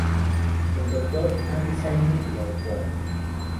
El Dr. Anne Simon y la Dra.